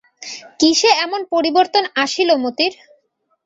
কিসে এমন পরিবর্তন আসিল মতির?